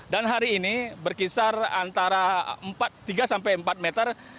dan hari ini berkisar antara tiga sampai empat meter